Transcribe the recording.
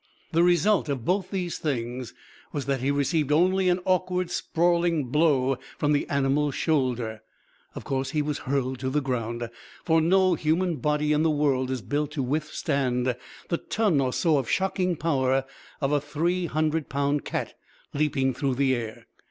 The result of both these things was that he received only an awkward, sprawling blow from the animal's shoulder. Of course he was hurled to the ground; for no human body in the world is built to withstand the ton or so of shocking power of a three hundred pound cat leaping through the air.